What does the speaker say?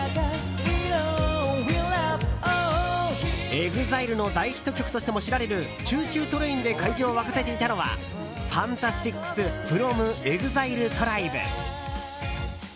ＥＸＩＬＥの大ヒット曲としても知られる「ＣｈｏｏＣｈｏｏＴＲＡＩＮ」で会場を沸かせていたのはＦＡＮＴＡＳＴＩＣＳｆｒｏｍＥＸＩＬＥＴＲＩＢＥ。